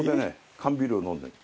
缶ビールを飲んでんの。